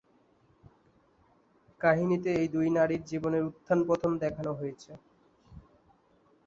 কাহিনীতে এই দুই নারীর জীবনের উত্থান-পতন দেখানো হয়েছে।।